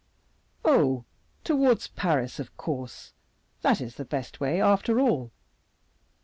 Oh! towards Paris, of course; that is the best way, after all.